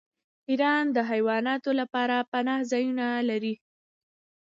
ایران د حیواناتو لپاره پناه ځایونه لري.